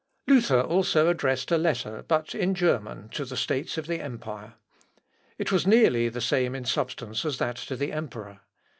Luther also addressed a letter, but in German, to the States of the empire. It was nearly the same in substance as that to the emperor.